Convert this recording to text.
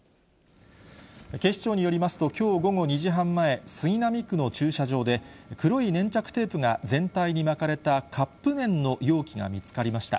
警視庁によりますと、きょう午後２時半前、杉並区の駐車場で、黒い粘着テープが全体に巻かれたカップ麺の容器が見つかりました。